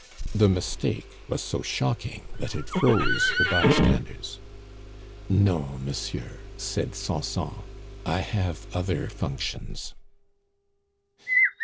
The mistake was so shocking that it froze the bystanders. "No, monsieur," said Sanson; "I have other functions."